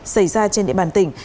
xảy ra trên địa bàn tỉnh